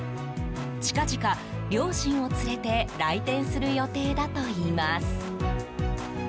近々、両親を連れて来店する予定だといいます。